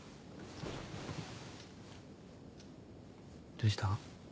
どうした？